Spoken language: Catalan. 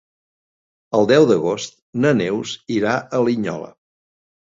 El deu d'agost na Neus irà a Linyola.